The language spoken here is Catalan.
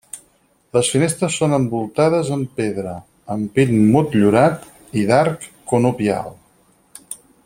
Les finestres són envoltades amb pedra, ampit motllurat i d’arc conopial.